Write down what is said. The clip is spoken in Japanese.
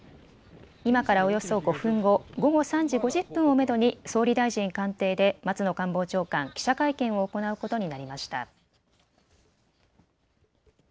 今からおよそ５分後、午後３時５０分をめどに総理大臣官邸で松野官房長官、記者会見を行うことになりました。